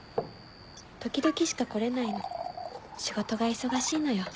時々しか来れないの仕事が忙しいのよ。